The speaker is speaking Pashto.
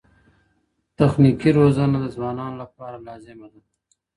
تخنیکي روزنه د ځوانانو لپاره لازمه ده.